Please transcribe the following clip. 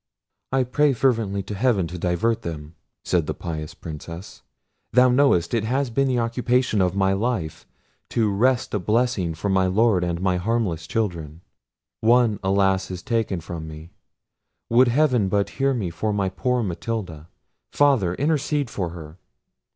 "I pray fervently to heaven to divert them," said the pious Princess. "Thou knowest it has been the occupation of my life to wrest a blessing for my Lord and my harmless children.—One alas! is taken from me! would heaven but hear me for my poor Matilda! Father! intercede for her!"